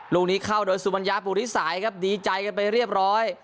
ลูกนี้เข้าโดยสุมัญญาปุริสายครับดีใจกันไปเรียบร้อย